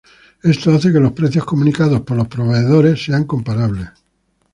Esto hace que los precios comunicados por los proveedores sean comparables.